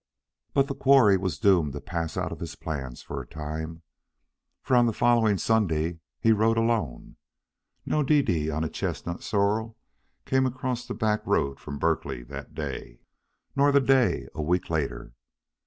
But the quarry was doomed to pass out of his plans for a time, for on the following Sunday he rode alone. No Dede on a chestnut sorrel came across the back road from Berkeley that day, nor the day a week later.